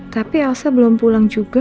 tapi elsa belum pulang juga